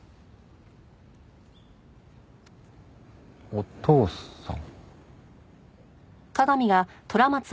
お父さん？